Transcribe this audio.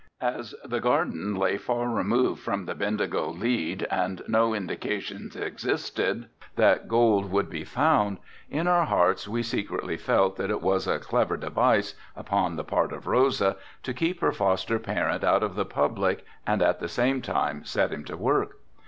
As the garden lay far removed from the Bendigo lead and no indications existed that gold would be found, in our hearts we secretly felt that it was a clever device, upon the part of Rosa, to keep her foster parent out of the public and at the same time set him to work.